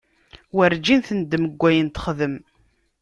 Werǧin tendem deg wayen texdem.